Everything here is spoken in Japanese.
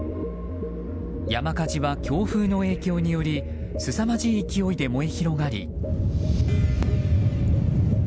山火事は強風の影響によりすさまじい勢いで燃え広がり。